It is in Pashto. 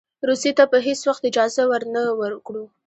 روسیې ته به هېڅ وخت اجازه ورنه کړو.